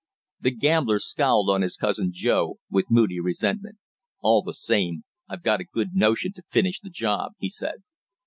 The gambler scowled on his cousin Joe with moody resentment. "All the same I've got a good notion to finish the job!" he said.